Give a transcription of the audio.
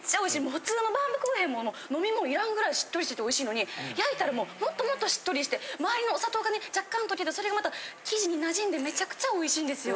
普通のバームクーヘンも飲み物いらんぐらいしっとりしてておいしいのに焼いたらもうもっともっとしっとりして周りのお砂糖がね若干溶けてそれがまた生地になじんでめちゃくちゃおいしいんですよ。